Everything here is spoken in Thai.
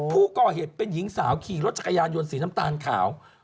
ผู้ก่อเหตุเป็นหญิงสาวขี่รถจักรยานยนต์สีน้ำตาลขาว